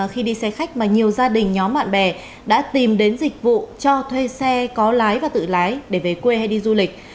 khi đi xe khách mà nhiều gia đình nhóm bạn bè đã tìm đến dịch vụ cho thuê xe có lái và tự lái để về quê hay đi du lịch